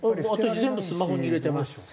私全部スマホに入れてますよ。